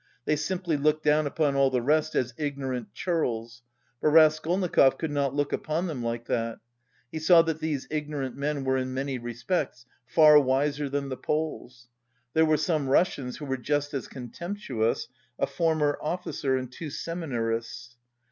They simply looked down upon all the rest as ignorant churls; but Raskolnikov could not look upon them like that. He saw that these ignorant men were in many respects far wiser than the Poles. There were some Russians who were just as contemptuous, a former officer and two seminarists.